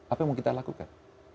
apa yang mau kita lakukan